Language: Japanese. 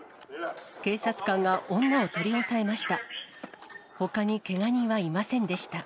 警察官が女を取り押さえました。